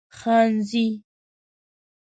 خانزي